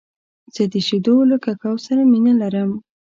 زه د شیدو له ککو سره مینه لرم .